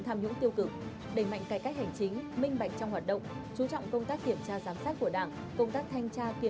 hãy đăng ký kênh để nhận thông tin nhất